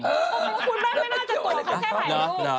คุณแม่ไม่น่าจะกดเลยเขาแค่ถ่ายรูป